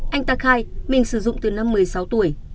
anh takai mình sử dụng từ năm một mươi sáu tuổi